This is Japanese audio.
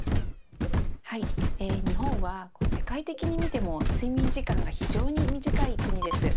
はい、日本は世界的に見ても睡眠時間が非常に短い国です。